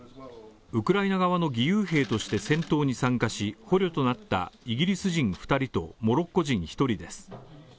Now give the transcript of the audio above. ウクライナ側の義勇兵として戦闘に参加し、捕虜となったイギリス人２人とモロッコ人１人です。